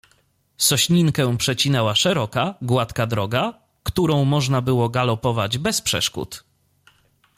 "Sośninkę przecinała szeroka, gładka droga, którą można było galopować bez przeszkód."